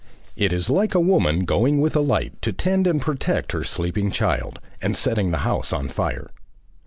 It is like a woman going with a light to tend and protect her sleeping child, and setting the house on fire.